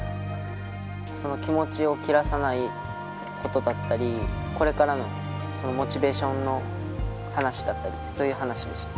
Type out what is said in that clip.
気持ちを切らさないことだったり、これからのそのモチベーションの話だったり、そういう話でした。